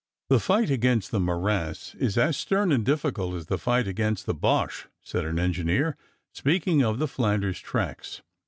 "The fight against the morass is as stern and difficult as the fight against the Boche," said an engineer, speaking of the Flanders tracks.